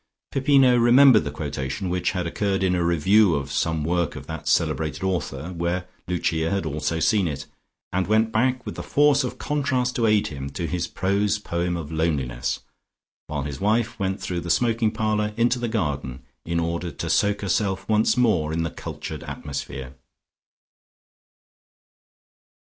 Peppino remembered the quotation, which had occurred in a review of some work of that celebrated author, where Lucia had also seen it, and went back, with the force of contrast to aid him, to his prose poem of "Loneliness," while his wife went through the smoking parlour into the garden, in order to soak herself once more in the cultured atmosphere.